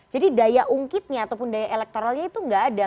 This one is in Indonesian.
jadi daya ungkitnya ataupun daya elektoralnya itu gak ada